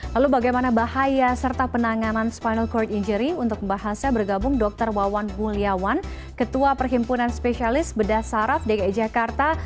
lalu bagaimana bahaya serta penanganan spinal cord injury untuk membahasnya bergabung dr wawan buliawan ketua perhimpunan spesialis bedah saraf dki jakarta